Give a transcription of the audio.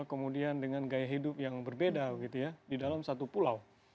kemudian dengan gaya hidup yang berbeda gitu ya di dalam satu pulau